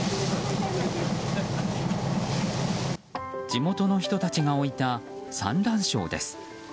地元の人たちが置いた産卵床です。